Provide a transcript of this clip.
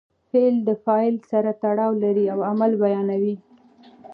فعل د فاعل سره تړاو لري او عمل بیانوي.